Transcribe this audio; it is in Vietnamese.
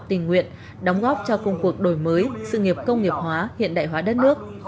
tình nguyện đóng góp cho công cuộc đổi mới sự nghiệp công nghiệp hóa hiện đại hóa đất nước